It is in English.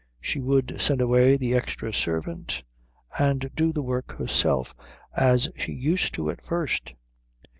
She would send away the extra servant and do the work herself, as she used to at first.